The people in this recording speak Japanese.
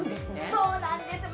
そうなんですよ。